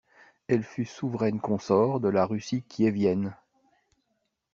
Elle fut souveraine consort de la Russie kiévienne.